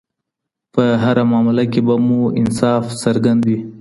په هره معامله کي به مو انصاف څرګند وي.